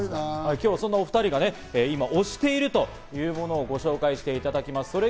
今日はそんなお２人が推しているものをご紹介していただきます。